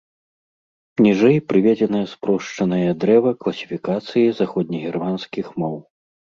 Ніжэй прыведзенае спрошчанае дрэва класіфікацыі заходнегерманскіх моў.